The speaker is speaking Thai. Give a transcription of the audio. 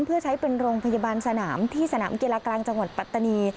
เพื่อใช้เป็นโรงพยาบาลสนามที่สนามกีฬากลางจังหวัดปัตตานี